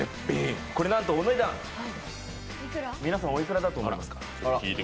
これなんとお値段、皆さんおいくらだと思いますか？